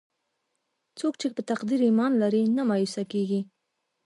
څوک چې په تقدیر ایمان لري، نه مایوسه کېږي.